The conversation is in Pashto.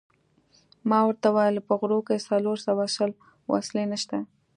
ما ورته وویل: په غرو کې څلور سوه شل وسلې نشته.